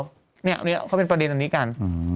เนี่ยเขาก็เป็นประเด็นอันนี้กัน